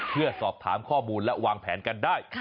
เพื่อสอบถามข้อมูลและวางแผนกันได้